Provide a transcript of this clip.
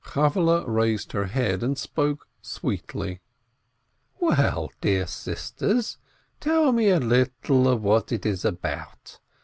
Chavvehle raised her head, and spoke sweetly : "Well, dear sisters, tell me a little of what it is about.